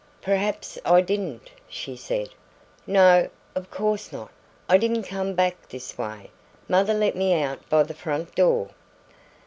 "Perhaps I didn't," she said. "No, of course not I didn't come back this way; mother let me out by the front door."